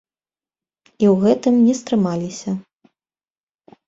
І ў гэтым не стрымаліся.